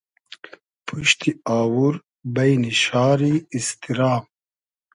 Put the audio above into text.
پوشتی آوور بݷنی شاری ایستیرا